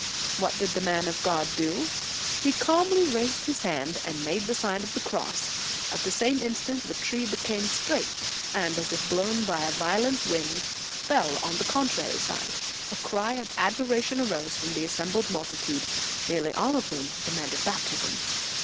What did the man of God do? He calmly raised his hand and made the Sign of the Cross. At the same instant the tree became straight, and as if blown by a violent wind, fell on the contrary side. A cry of admiration arose from the assem bled multitude, nearly all of whom demanded baptism.